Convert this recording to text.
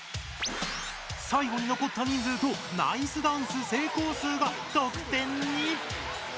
最後に残った人数とナイスダンス成功数が得点に！